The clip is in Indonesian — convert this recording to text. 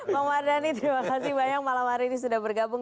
pak mardhani terima kasih banyak malam hari ini sudah bergabung